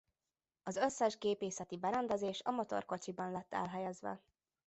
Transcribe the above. Az összes gépészeti berendezés a motorkocsiban lett elhelyezve.